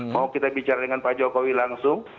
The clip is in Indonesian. mau kita bicara dengan pak jokowi langsung